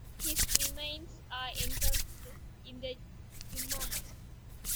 His remains are entombed in the Jumah mosque.